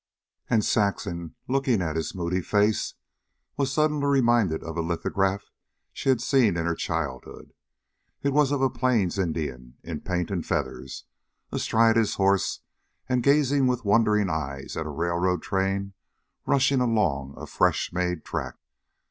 And Saxon, looking at his moody face, was suddenly reminded of a lithograph she had seen in her childhood. It was of a Plains Indian, in paint and feathers, astride his horse and gazing with wondering eye at a railroad train rushing along a fresh made track.